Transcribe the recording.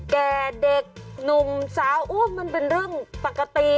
แก่เด็กหนุ่มสาวมันเป็นเรื่องปกติ